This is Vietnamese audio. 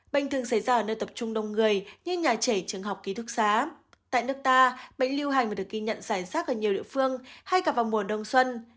bệnh thường xảy ra ở nơi tập trung đông người như nhà trẻ trường học ký thúc xá tại nước ta bệnh lưu hành vừa được ghi nhận giải rác ở nhiều địa phương hay cả vào mùa đông xuân